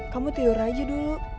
kamu tiur aja dulu